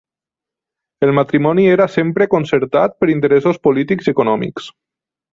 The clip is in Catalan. El matrimoni era sempre concertat per interessos polítics i econòmics.